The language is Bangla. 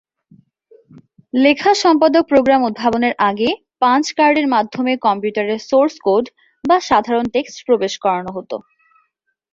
লেখা সম্পাদক প্রোগ্রাম উদ্ভাবনের আগে পাঞ্চ কার্ডের মাধ্যমে কম্পিউটারে সোর্স কোড বা সাধারণ টেক্সট প্রবেশ করানো হত।